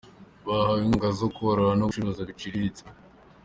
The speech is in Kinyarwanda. Bahawe inkunga zo korora no gucuruza biciriritse.